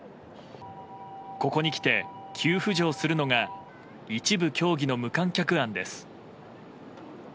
ここにきて、急浮上するのが一部競技の無観客案です。